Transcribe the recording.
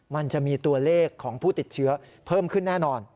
มันจะมีตัวเลขของผู้ติดเชื้อเพิ่มขึ้นแน่นอน